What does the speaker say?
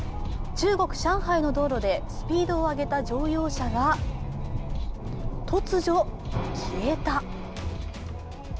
中国・上海の道路でスピードを上げた乗用車が突如、消えた。